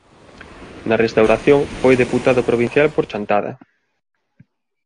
Na Restauración foi deputado provincial por Chantada.